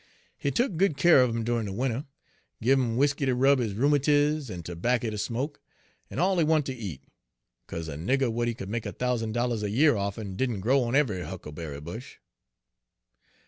He tuk good keer uv 'im dyoin' er de winter, give 'im w'iskey ter rub his rheumatiz, en terbacker ter smoke, en all he want ter eat, 'caze a nigger w'at he could make a thousan' dollars a year off'n didn' grow on eve'y huckleberry bush.